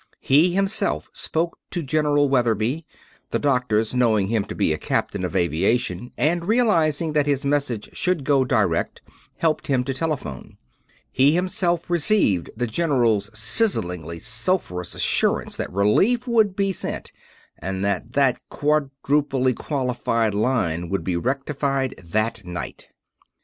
He himself spoke to General Weatherby the doctors, knowing him to be a Captain of Aviation and realizing that his message should go direct, helped him telephone. He himself received the General's sizzlingly sulphurous assurance that relief would be sent and that that quadruply qualified line would be rectified that night.